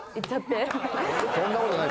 全然そんなことない。